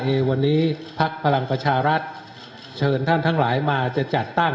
ในวันนี้พักพลังประชารัฐเชิญท่านทั้งหลายมาจะจัดตั้ง